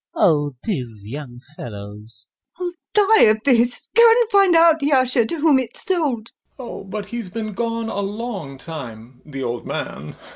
Oh these young fellows. LUBOV. I'll die of this. Go and find out, Yasha, to whom it's sold. YASHA. Oh, but he's been gone a long time, the old man.